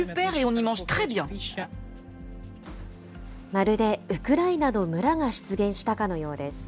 まるでウクライナの村が出現したかのようです。